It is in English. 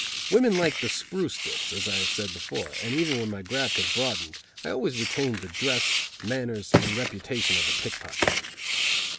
Women like the spruce dips, as I have said before, and even when my graft had broadened, I always retained the dress, manners and reputation of a pickpocket.